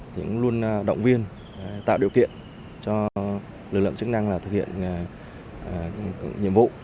thì cũng luôn động viên tạo điều kiện cho lực lượng chức năng thực hiện nhiệm vụ